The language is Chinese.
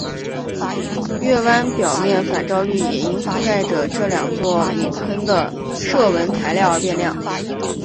月湾表面反照率也因覆盖着这两座陨坑的射纹材料而变亮。